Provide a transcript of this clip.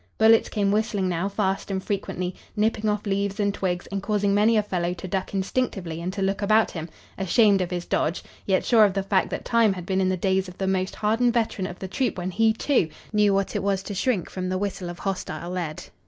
Bullets came whistling now fast and frequently, nipping off leaves and twigs and causing many a fellow to duck instinctively and to look about him, ashamed of his dodge, yet sure of the fact that time had been in the days of the most hardened veteran of the troop when he, too, knew what it was to shrink from the whistle of hostile lead.